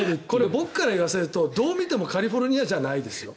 僕から言わせるとこれ、どう見てもカリフォルニアじゃないですよ。